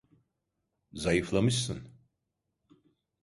Zayıflamışsın.